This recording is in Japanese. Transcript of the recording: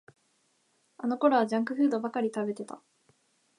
あのころはジャンクフードばかり食べてた